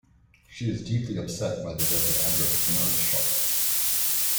She is deeply upset by the death of Adric in "Earthshock".